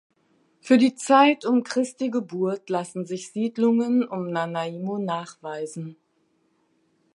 Für die Zeit um Christi Geburt lassen sich Siedlungen um Nanaimo nachweisen.